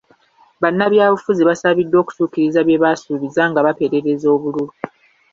Bannabyabufuzi basabiddwa okutuukiriza bye baasuubiza nga baperereza obululu